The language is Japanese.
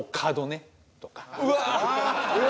うわ。